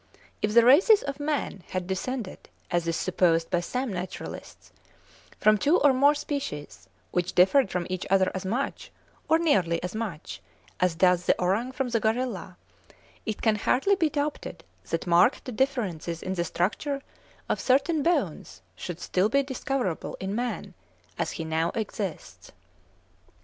If the races of man had descended, as is supposed by some naturalists, from two or more species, which differed from each other as much, or nearly as much, as does the orang from the gorilla, it can hardly be doubted that marked differences in the structure of certain bones would still be discoverable in man as he now exists.